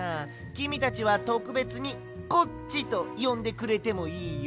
きみたちはとくべつに「コッチ」とよんでくれてもいいよ。